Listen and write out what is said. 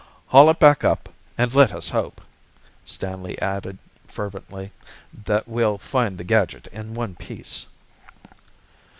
"Haul it back up. And let us hope," Stanley added fervently, "that we'll find the gadget in one piece."